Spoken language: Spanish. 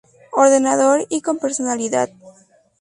Ordenador y con personalidad.